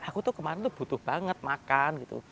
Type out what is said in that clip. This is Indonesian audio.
aku tuh kemarin tuh butuh banget makan gitu